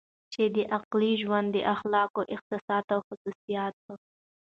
چې د عقلې ژوند د اخلاقو احساسات او خصوصیات